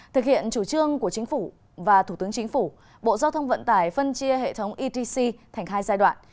thực hiện chủ trương của chính phủ và thủ tướng chính phủ bộ giao thông vận tải phân chia hệ thống etc thành hai giai đoạn